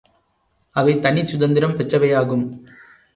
அவைத் தனிச் சுதந்தரம் பெற்றவையாகும்.